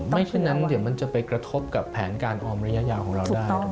เช่นนั้นเดี๋ยวมันจะไปกระทบกับแผนการออมระยะยาวของเราได้